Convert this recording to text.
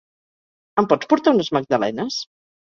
Em pots portar unes magdalenes?